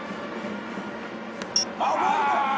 あっボール。